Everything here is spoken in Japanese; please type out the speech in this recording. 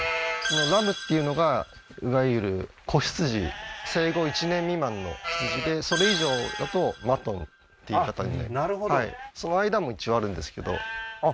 ラムっていうのがいわゆる仔羊生後１年未満の羊でそれ以上だとマトンって言い方にあっなるほどあっ間もあるんですか？